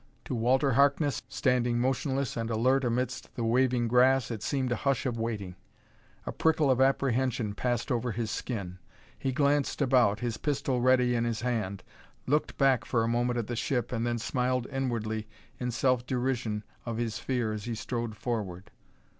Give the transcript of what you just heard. To Walter Harkness, standing motionless and alert amidst the waving grass, it seemed a hush of waiting. A prickle of apprehension passed over his skin. He glanced about, his pistol ready in his hand, looked back for a moment at the ship, then smiled inwardly in self derision of his fear as he strode forward.